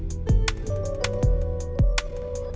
dikasih sama orang